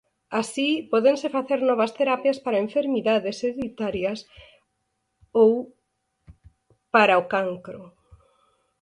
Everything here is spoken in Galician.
Así, pódense facer novas terapias para enfermidades hereditarias ou para o cancro.